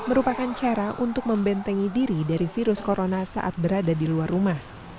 merupakan cara untuk membentengi diri dari virus corona saat berada di luar rumah